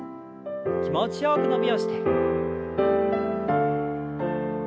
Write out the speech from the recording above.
気持ちよく伸びをして。